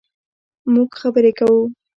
مونږ خبرې کوو